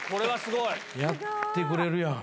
やってくれるやん。